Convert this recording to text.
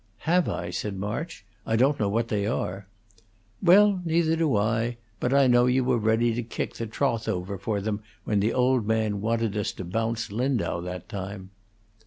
"Have I?" said March. "I don't know what they are." "Well, neither do I; but I know you were ready to kick the trough over for them when the old man wanted us to bounce Lindau that time."